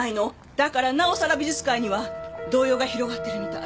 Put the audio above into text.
だからなおさら美術界には動揺が広がってるみたい。